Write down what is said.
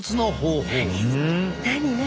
何何？